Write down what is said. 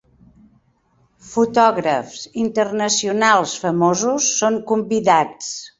Fotògrafs internacionals famosos són convidats.